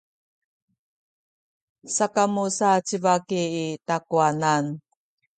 sakamu sa ci baki i takuwanan.